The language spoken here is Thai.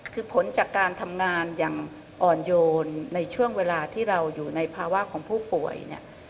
คือผลจากการทำงานอย่างอ่อนโยนในช่วงเวลาที่เราอยู่ในภาวะของผู้ป่วยเนี่ย